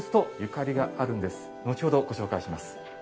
後ほどご紹介します。